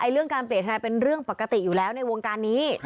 เรื่องการเปลี่ยนทนายเป็นเรื่องปกติอยู่แล้วในวงการนี้